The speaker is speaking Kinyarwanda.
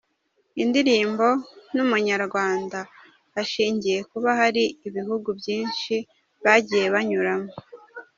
indirimbo n’umunyarwanda ashingiye kuba hari ibihugu byinshi bagiye banyuramo